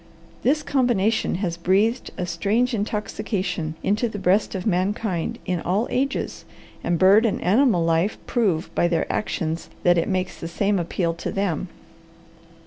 This combination has breathed a strange intoxication into the breast of mankind in all ages, and bird and animal life prove by their actions that it makes the same appeal to them.